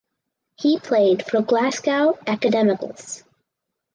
He played for Glasgow Academicals.